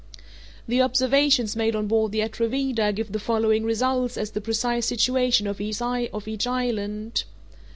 The observations made on board the Atrevida give the following results as the precise situation of each island.